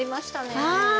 はい。